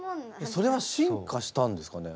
それは進化したんですかね？